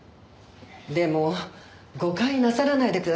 でも誤解なさらないでください。